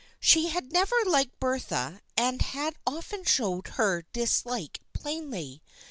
She had never liked Bertha and had often showed her dislike plainly.